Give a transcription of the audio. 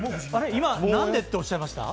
今、何でっておっしゃいました？